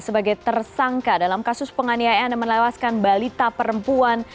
sebagai tersangka dalam kasus penganiayaan dan melewaskan balita perempuan